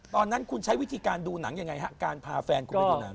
ตอนนั้นคุณใช้วิธีการดูหนังยังไงฮะการพาแฟนคุณไปดูหนัง